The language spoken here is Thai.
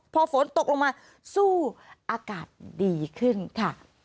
พอฝนตกลงมาสู้อากาศดีขึ้นค่ะ